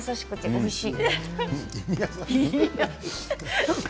おいしい！